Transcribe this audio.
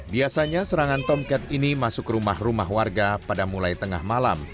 biasanya serangan tom cat ini masuk rumah rumah warga pada mulai tengah malam